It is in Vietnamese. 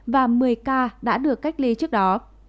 và một mươi ca đã được cách ly trước đó